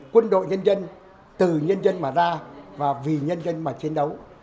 quân đội nhân dân từ nhân dân mà ra và vì nhân dân mà chiến đấu